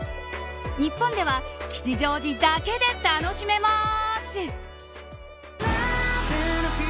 日本では吉祥寺だけで楽しめます。